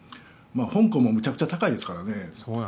香港もめちゃくちゃ高いですからね。